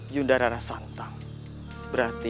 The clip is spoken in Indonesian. yunda rasantan berarti